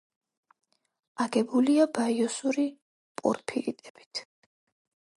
აგებულია ბაიოსური პორფირიტებით.